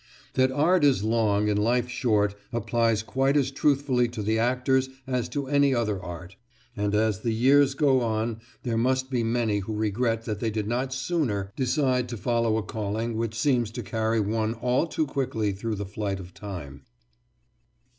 That art is long and life short applies quite as truthfully to the actor's as to any other art, and as the years go on there must be many who regret that they did not sooner decide to follow a calling which seems to carry one all too quickly through the flight of time.